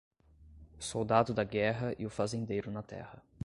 O soldado da guerra e o fazendeiro na terra.